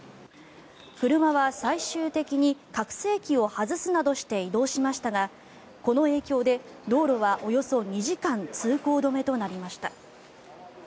車は最終的に拡声器を外すなどして移動していましたがこの影響で道路はおよそ２時間通行止めとなりました。